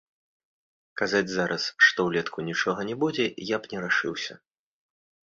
Казаць зараз, што ўлетку нічога не будзе, я б не рашыўся.